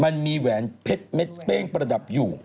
มันมีแหวนเพชรเม็ดเป้งประดับอยู่